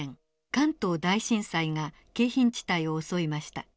関東大震災が京浜地帯を襲いました。